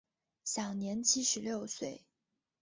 享年七十六岁。